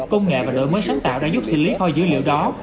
công nghệ và đổi mới sáng tạo đã giúp xử lý kho dữ liệu đó